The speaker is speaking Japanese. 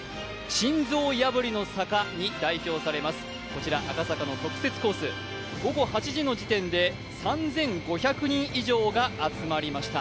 心臓破りの坂に代表されます、こちら赤坂の特設コース、午後８時の時点で３５００人以上が集まりました。